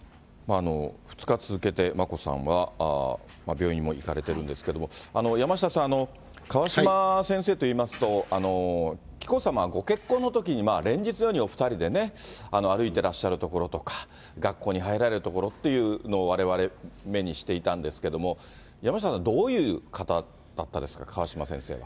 ２日続けて眞子さんは病院も行かれてるんですけれども、山下さん、川嶋先生といいますと、紀子さまご結婚のときに、連日のようにお２人でね、歩いていらっしゃるところとか、学校に入られるところっていうのをわれわれ目にしていたんですけども、山下さん、どういう方だったですか、川嶋先生は。